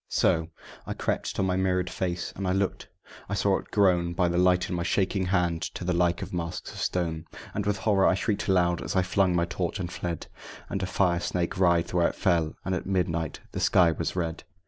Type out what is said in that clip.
So I crept to my mirrored face, and I looked, and I saw it grown (By the light in my shaking hand) to the like of the masks of stone; And with horror I shrieked aloud as I flung my torch and fled, And a fire snake writhed where it fell; and at midnight the sky was red.